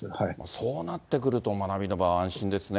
そうなってくると、学びの場は安心ですね。